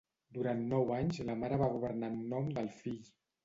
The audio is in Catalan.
Durant nou anys la mare va governar en nom del fill.